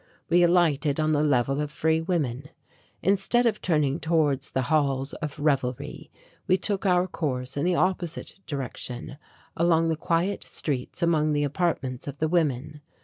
We alighted on the Level of Free Women. Instead of turning towards the halls of revelry we took our course in the opposite direction along the quiet streets among the apartments of the women.